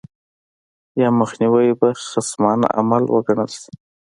یا مخنیوی به خصمانه عمل وګڼل شي.